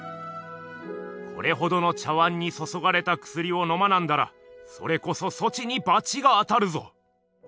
「これほどの茶碗にそそがれたくすりをのまなんだらそれこそそちにばちが当たるぞ」。